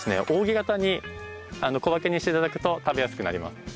扇形に小分けにして頂くと食べやすくなります。